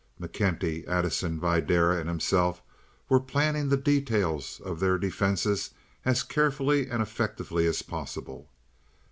McKenty, Addison, Videra, and himself were planning the details of their defenses as carefully and effectively as possible.